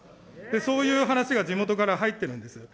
そういう話が地元から入っているんですよ。